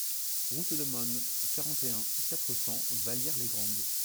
Route de Mosnes, quarante et un, quatre cents Vallières-les-Grandes